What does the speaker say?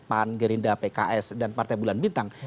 pan gerinda pks dan partai bulan bintang